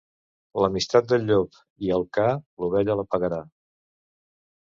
L'amistat del llop i el ca l'ovella la pagarà.